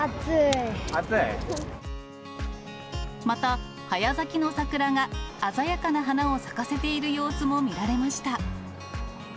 また、早咲きの桜が鮮やかな花を咲かせている様子も見られました。